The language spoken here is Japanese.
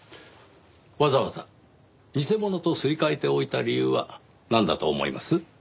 わざわざ偽物とすり替えておいた理由はなんだと思います？